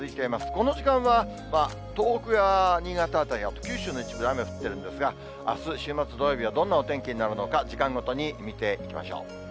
この時間は東北や新潟辺りや、九州の一部、雨が降ってるんですが、あす、週末土曜日はどんなお天気になるのか、時間ごとに見ていきましょう。